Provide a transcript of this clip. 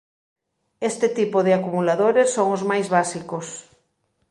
Este tipo de acumuladores son os máis básicos.